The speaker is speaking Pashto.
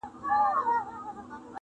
چې انجام يې شهادت شو په اخر کښې